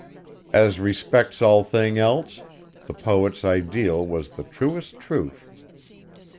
As respects all things else, the poet's ideal was the truest truth.